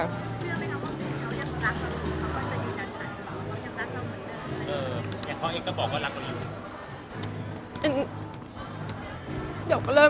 เชื่อไหมคะว่าตอนนี้เขายังรักคนอื่น